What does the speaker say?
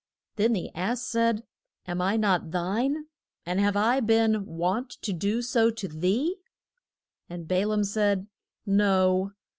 Then the ass said, Am I not thine? and have I been wont to do so to thee? And Ba laam said, No.